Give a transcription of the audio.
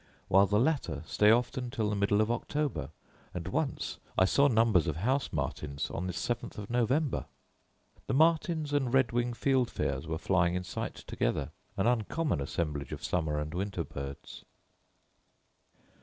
while the latter stay often till the middle of October; and once I saw numbers of house martins on the seventh of November. The martins and red wing fieldfares were flying in sight together; an uncommon assemblage of summer and winter birds.